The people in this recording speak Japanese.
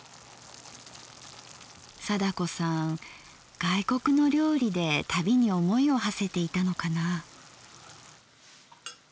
貞子さん外国の料理で旅に思いをはせていたのかなぁ。